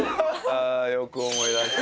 ああよく思い出した。